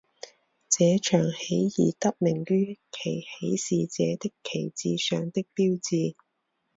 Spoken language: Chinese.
这场起义得名于其起事者的旗帜上的标志。